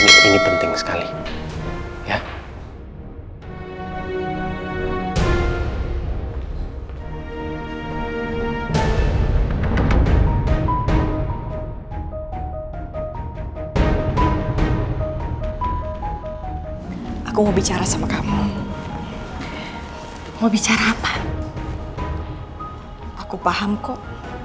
bicara sama kamu ini penting sekali ya aku bicara sama kamu mau bicara apa aku paham kok